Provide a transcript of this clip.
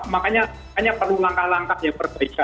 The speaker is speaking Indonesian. makanya perlu langkah langkah ya perbaikan